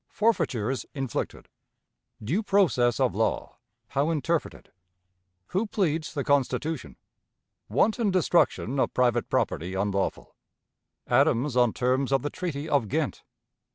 Forfeitures inflicted. Due Process of Law, how interpreted. "Who pleads the Constitution?" Wanton Destruction of Private Property unlawful Adams on Terms of the Treaty of Ghent.